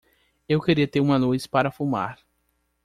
Eu queria ter uma luz para fumar.